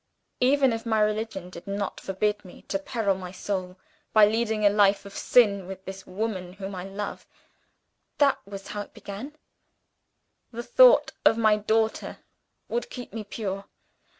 'Even if my religion did not forbid me to peril my soul by leading a life of sin with this woman whom I love' that was how it began 'the thought of my daughter would keep me pure.